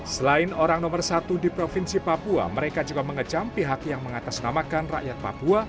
selain orang nomor satu di provinsi papua mereka juga mengecam pihak yang mengatasnamakan rakyat papua